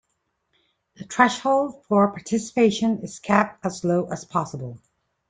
The threshold for participation is kept as low as possible.